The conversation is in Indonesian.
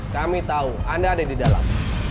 kami tahu anda ada di dalam